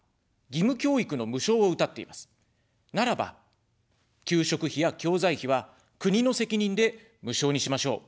ならば、給食費や教材費は国の責任で無償にしましょう。